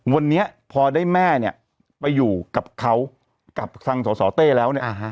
วันนี้พอได้แม่เนี่ยไปอยู่กับเขากับทางสสเต้แล้วเนี่ย